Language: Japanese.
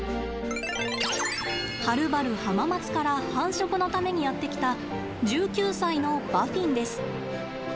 はるばる浜松から繁殖のためにやって来た１９歳のバフィンです。